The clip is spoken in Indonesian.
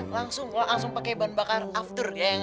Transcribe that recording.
langsung pakai ban bakar after eyang